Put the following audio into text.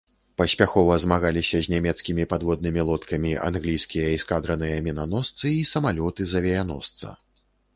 Паспяхова змагаліся з нямецкімі падводнымі лодкамі англійскія эскадраныя мінаносцы, і самалёты з авіяносца.